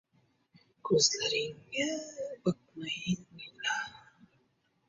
Jarrohlik amaliyotidan keyingi ahvol... E’tiborsiz qolayotgan bemorlar hayotidan reportaj